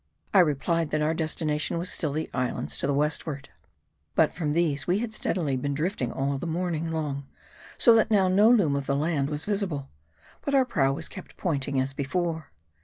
I replied that our destination was still the islands to the westward. But from these we had steadily been drifting all the morning long ; so that now no loom of the land was visible. But our prow was kept pointing as before.